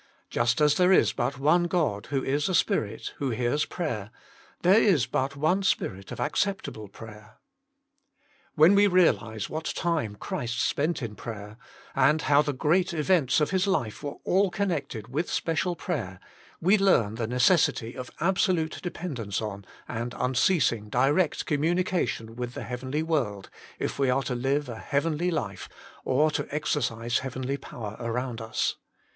Just as there is but one God, who is a Spirit, who hears prayer, there is but one spirit of acceptable prayer. When we realise what time Christ spent in prayer, and how the great events of His life were all connected with special prayer, we learn the necessity of absolute depend ence on and unceasing direct communication with the heavenly world, if we are to live a heavenly life, or to exercise heavenly power around us.